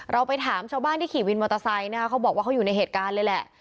ไปถามชาวบ้านที่ขี่วินมอเตอร์ไซค์นะคะเขาบอกว่าเขาอยู่ในเหตุการณ์เลยแหละ